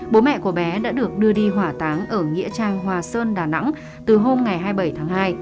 bố mẹ của bé đã được đưa đi hỏa táng ở nghĩa trang hòa sơn đà nẵng từ hôm ngày hai mươi bảy tháng hai